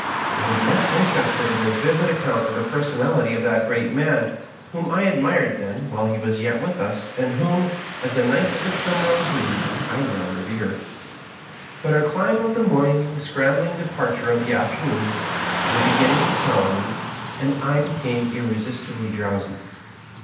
I was much' interested in his vivid account of the personality of that great man, whom I admired then, while he was yet with us, and whom, as a knight of the Primrose League, I now revere ; but ' our climb of the morning, and the scrambling depart ure of the afternoon, were beginning to tell on me, and I became irresistibly drowsy.